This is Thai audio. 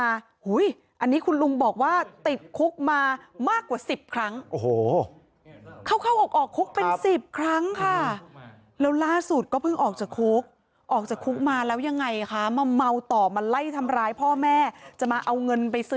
อันนี้คุณลุงบอกว่าติดคุกมามากกว่าสิบครั้ง